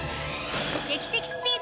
劇的スピード！